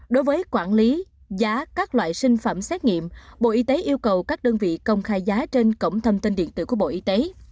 đối với quản lý giá các loại sinh phẩm xét nghiệm bộ y tế yêu cầu các đơn vị công khai giá trên cổng thông tin điện tử của bộ y tế